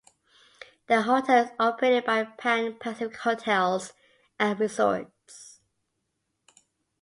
The Hotel is operated by Pan Pacific Hotels and Resorts.